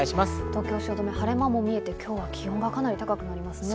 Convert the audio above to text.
東京・汐留、晴れ間も見えて今日は気温がかなり高くなりますね。